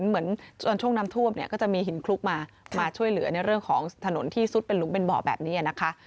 เหมือนช่วงน้ำท่วมเนี่ยก็จะมีหินคลุกมามาช่วยเหลือในเรื่องของถนนที่ซุดเป็นหลุมเป็นบ่อแบบนี้นะคะ